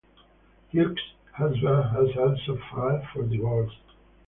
Hughes's husband had also filed for divorce.